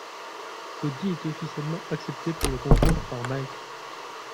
Cody est officiellement accepté pour le concours par Mike.